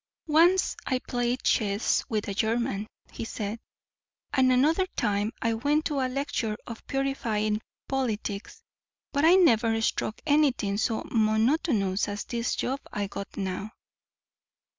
"Once I played chess with a German," he said, "and another time I went to a lecture on purifying politics, but I never struck anything so monotonous as this job I got now."